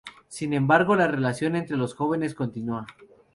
Sin embargo, la relación entre los jóvenes continúa.